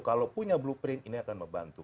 kalau punya blueprint ini akan membantu